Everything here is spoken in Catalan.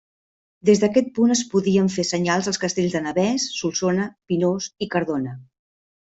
Des d'aquest punt es podien fer senyals als castells de Navès, Solsona, Pinós i Cardona.